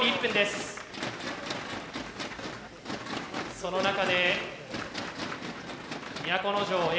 その中で都城Ａ。